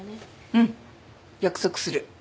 うん。約束する。